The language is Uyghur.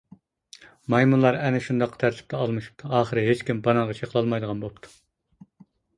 مايمۇنلار ئەنە شۇنداق تەرتىپتە ئالمىشىپتۇ، ئاخىرى ھېچكىم بانانغا چېقىلالمايدىغان بوپتۇ.